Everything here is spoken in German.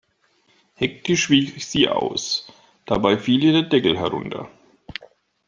Hektisch wich sie aus, dabei fiel ihr der Deckel herunter.